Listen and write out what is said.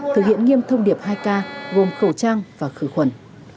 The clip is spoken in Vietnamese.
thực hiện nghiêm thông điệp hai k gồm khẩu trang và khử khuẩn